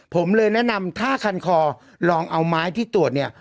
ผมเลยแนะนำถ้าคันคอลองเอาไม้ที่ตรวจเนี่ย